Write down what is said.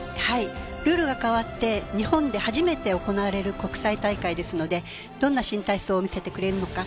ルールが変わって日本で始めて行われる国際大会ですのでどんな新体操を見せてくれるのか